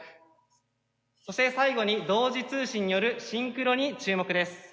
そして最後に同時通信によるシンクロに注目です。